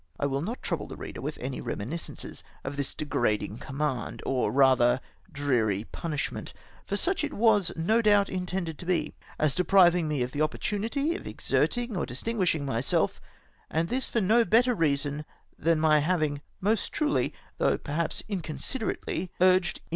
I will not trouble the reader with any reminiscences of this degrading command, or rather dreary punishment, for such it was no doubt intended to be, as depriving me of the opportunity of exerting or distinguishing myself ; and this for no better reason, than my having most truly, though perhaps inconsiderately, urged, in 170 KETIEEMENT OP LORD ST. VIXCENT.